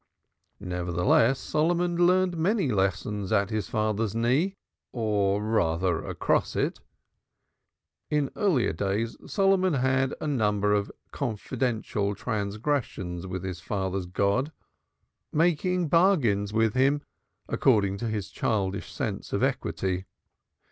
Nevertheless, Solomon learned many lessons at his father's knee, or rather, across it. In earlier days Solomon had had a number of confidential transactions with his father's God, making bargains with Him according to his childish sense of equity.